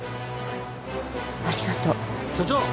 ありがとう。